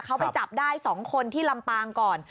เขาไปจับได้๒คนที่ลำปางก่อน